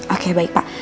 oke baik pak